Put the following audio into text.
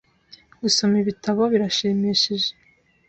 Gusoma ibitabo birashimishije .